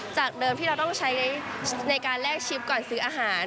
จากเดิมที่เราต้องใช้ในการแลกชิปก่อนซื้ออาหาร